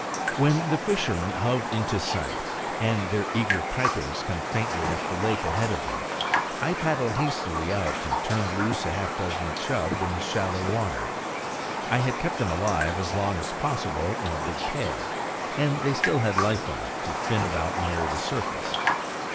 When the fishermen hove into sight, and their eager pipings came faintly up the lake ahead of them, I paddled hastily out and turned loose a half dozen chub in the shallow water. I had kept them alive as long as possible in a big pail, and they still had life enough to fin about near the surface.